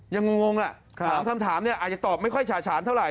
ยังงงอ่ะถามอาจจะตอบไม่ค่อยฉาฉานเท่าไหร่